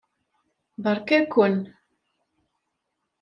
Beṛka-ken.